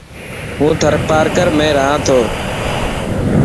هون ٿرپارڪر ۾ رهان ٿو.